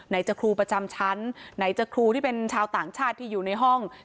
จะครูประจำชั้นไหนจะครูที่เป็นชาวต่างชาติที่อยู่ในห้อง